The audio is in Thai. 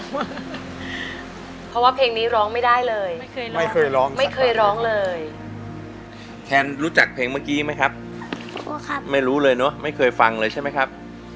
เพราะว่าเพลงนี้ร้องไม่ได้เลยไม่เคยร้องไม่เคยร้องเลยไม่เคยร้องเลยแคนรู้จักเพลงเมื่อกี้ไหมครับไม่รู้เลยเนอะไม่เคยฟังเลยใช่ไหมครับ